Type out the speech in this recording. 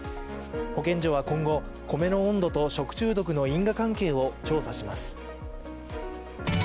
保健所は今後、米の温度と食中毒の因果関係を調査します。